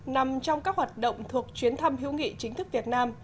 nằm trong các hoạt động thuộc chuyến thăm hữu nghị chính thức việt nam